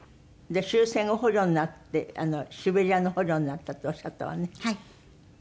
終戦後捕虜になってシベリアの捕虜になったっておっしゃったわね。